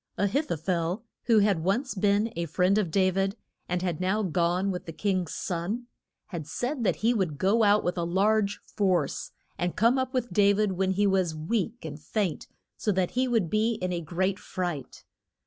A hith o phel, who had once been a friend of Da vid, and had now gone with the king's son, had said that he would go out with a large force and come up with Da vid when he was weak and faint, so that he would be in a great fright.